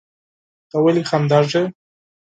ته ولې خندېږې؟